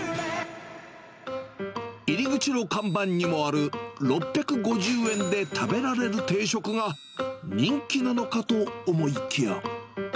入口の看板にもある６５０円で食べられる定食が人気なのかと思いきや。